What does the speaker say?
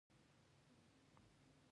او راتلونکی یې روښانه دی.